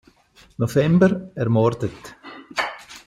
November“ ermordet.